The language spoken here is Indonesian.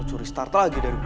kamu curi start lagi dari gue